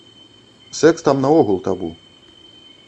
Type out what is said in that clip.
Сэкс там наогул табу.